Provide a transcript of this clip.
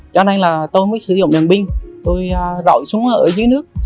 cho nên là tôi mới sử dụng đèn pin tôi rọi xuống ở dưới nước